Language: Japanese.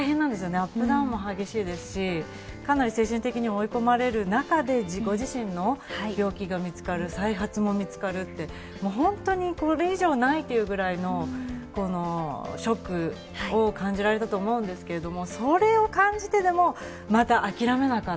アップダウンも激しいですし、かなり精神的に追い込まれる中でご自身の病気が見つかる、再発も見つかるって本当にこれ以上ないぐらいのショックを感じられたと思うんですけど、それを感じててもまだ諦めなかっ